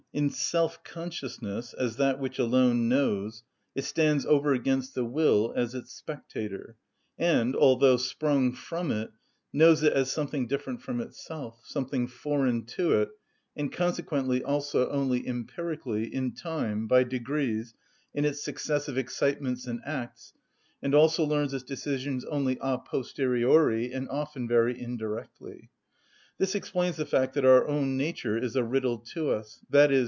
In self‐consciousness, as that which alone knows, it stands over against the will as its spectator, and, although sprung from it, knows it as something different from itself, something foreign to it, and consequently also only empirically, in time, by degrees, in its successive excitements and acts, and also learns its decisions only a posteriori, and often very indirectly. This explains the fact that our own nature is a riddle to us, _i.e.